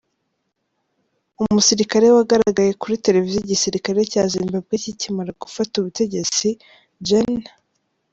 Umusirikare wagaragaye kuri televiziyo igisirikare cya Zimbabwe kikimara gufata ubutegetsi, gen.